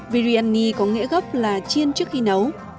biryani có nghĩa gốc là chiên trước khi nấu